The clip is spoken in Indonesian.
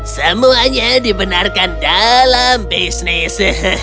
semuanya dibenarkan dalam bisnis